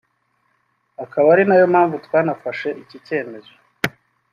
akaba ariyo mpanvu twanafashe iki cyemezo